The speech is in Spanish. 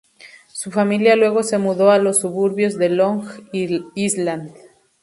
Su familia luego se mudó a los suburbios de Long Island.